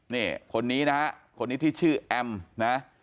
นี่คนนี้นะฮะคนนี้ที่ชื่อแอมนะ